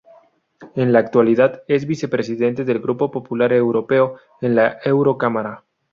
En la actualidad es vicepresidente del Grupo Popular Europeo en la eurocámara.